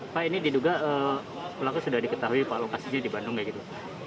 pak ini diduga pelaku sudah diketahui pak lokasinya di bandung kayak gitu